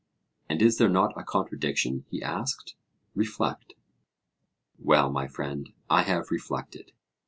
And is there not a contradiction? he asked. Reflect. Well, my friend, I have reflected.